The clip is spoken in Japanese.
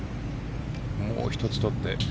もう１つ取って。